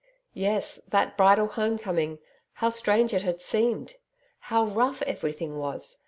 Yes that bridal homecoming how strange it had seemed! How rough everything was!